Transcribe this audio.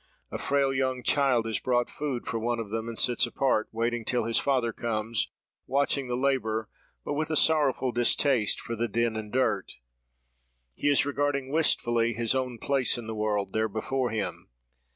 A frail young child has brought food for one of them, and sits apart, waiting till his father comes—watching the labour, but with a sorrowful distaste for the din and dirt. He is regarding wistfully his own place in the world, there before him.